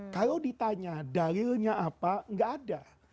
kalau ditanya dalilnya apa nggak ada